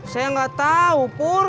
saya gatau pur